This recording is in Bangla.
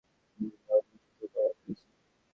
তোমার নাম চিরকালের জন্য পবিত্র বলিয়া অভিহিত করা হইয়াছে।